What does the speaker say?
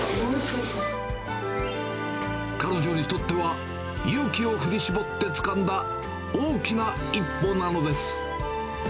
彼女にとっては、勇気を振り絞ってつかんだ大きな一歩なのです。